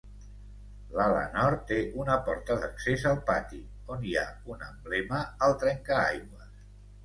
L'ala nord té una porta d'accés al pati on hi ha un emblema al trencaaigües.